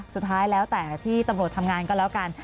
สุดท้ายแล้วแต่ที่ตำรวจทำงานก็แล้วกัน